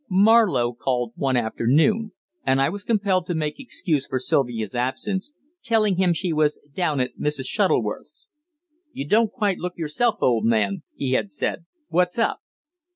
Marlowe called one afternoon, and I was compelled to make excuse for Sylvia's absence, telling him she was down at Mrs. Shuttleworth's. "You don't look quite yourself, old man," he had said. "What's up?"